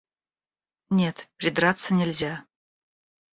Нет, придраться нельзя.